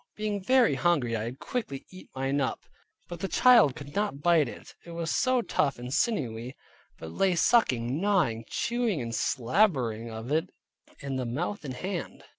Being very hungry I had quickly eat up mine, but the child could not bite it, it was so tough and sinewy, but lay sucking, gnawing, chewing and slabbering of it in the mouth and hand.